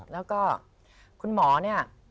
แล้วก็คุณหมอเนี่ย